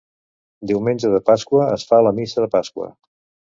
Diumenge de Pasqua es fa la Missa de Pasqua.